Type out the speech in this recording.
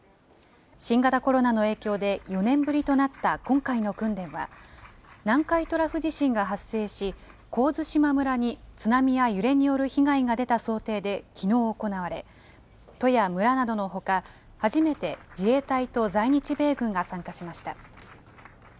新型コロナの影響で、４年ぶりとなった今回の訓練は、南海トラフ地震が発生し、神津島村に津波や揺れによる被害が出た想定できのう行われ、都や村などのほか、初めて自衛隊と在日米軍が参加しました。